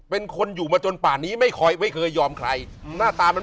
เป็นคนอยู่มาจนป่านี้ไม่คอยเดี๋ยวยอมใครหน้าตามันไม่